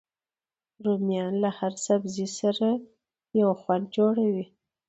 رومیان له هر سبزي سره یو خوند جوړوي